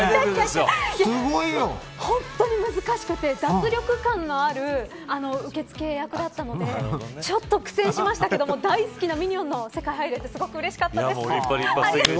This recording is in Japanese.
本当に難しくて脱落感のある受け付け役だったのでちょっと苦戦しましたけども大好きなミニオンの世界に入れて立派、立派、すてきでした。